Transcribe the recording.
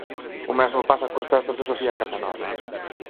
O mesmo pasa cos textos de Sofía Casanova.